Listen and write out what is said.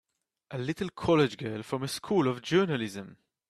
A little college girl from a School of Journalism!